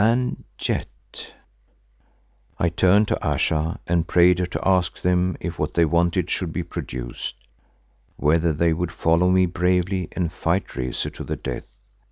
And yet—— I turned to Ayesha and prayed her to ask them if what they wanted should be produced, whether they would follow me bravely and fight Rezu to the death.